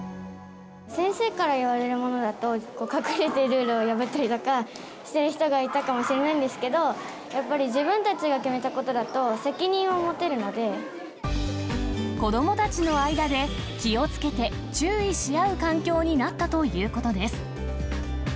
先生から言われるものだと隠れてルールを破ったりだとかしてる人がいたかもしれないんですけど、やっぱり自分たちが決めたこ子どもたちの間で、気をつけて注意し合う環境になったということです。